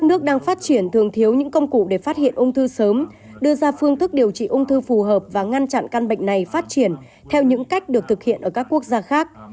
các nước đang phát triển thường thiếu những công cụ để phát hiện ung thư sớm đưa ra phương thức điều trị ung thư phù hợp và ngăn chặn căn bệnh này phát triển theo những cách được thực hiện ở các quốc gia khác